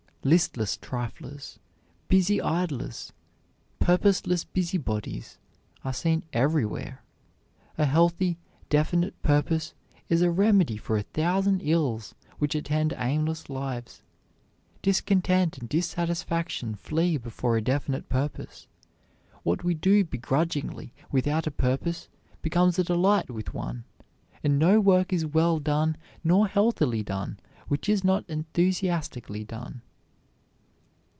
"Listless triflers," "busy idlers," "purposeless busy bodies," are seen everywhere. A healthy, definite purpose is a remedy for a thousand ills which attend aimless lives. Discontent and dissatisfaction flee before a definite purpose. What we do begrudgingly without a purpose becomes a delight with one, and no work is well done nor healthily done which is not enthusiastically done.